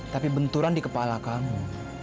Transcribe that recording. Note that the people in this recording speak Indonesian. tapi benturan di kepala kamu